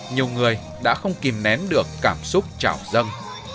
nhiều người đã không kìm nén được cảm xúc chào dân